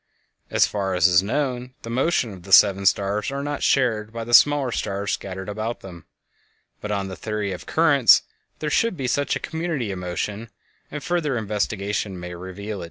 As far as is known, the motion of the seven stars are not shared by the smaller stars scattered about them, but on the theory of currents there should be such a community of motion, and further investigation may reveal it.